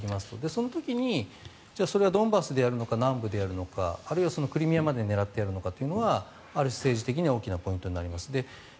その時にそれがドンバスでやるのか南部でやるのかあるいはクリミアまで狙ってやるのかというのはある種、政治的には大きなポイントになります。